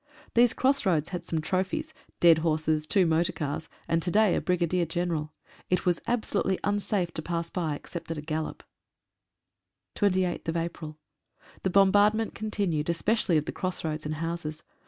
These cross roads had some trophies — dead horses, two motor cars, and to day a Brigadier General. It was absolutely unsafe to pass by, except at a gallop. 28th April— The bombardment continued, especially of the cross roads and houses.